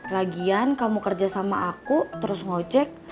lagian kamu kerja sama aku terus ngecek